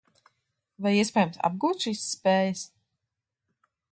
Vai iespējams apgūt šīs spējas?